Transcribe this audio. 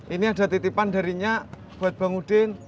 ini ada titipan darinya buat bang udin